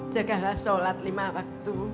jagalah sholat lima waktu